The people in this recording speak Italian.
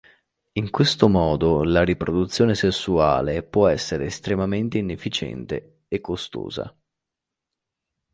In questo modo, la riproduzione sessuale può essere estremamente inefficiente e costosa.